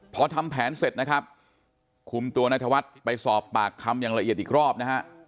พอทำแผนเสร็จนะครับคุมตัวนายธวัฒน์ไปสอบปากคำอย่างละเอียดอีกรอบนะฮะ